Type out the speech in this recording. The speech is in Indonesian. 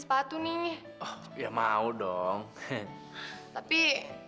seharian tidak apaan hari ini